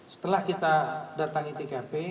setelah kita datang ke tkp